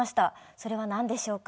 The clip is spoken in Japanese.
それは何でしょうか？